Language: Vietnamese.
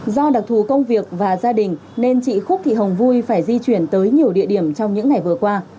do đặc thù công việc và gia đình nên chị khúc thị hồng vui phải di chuyển tới nhiều địa điểm trong những ngày vừa qua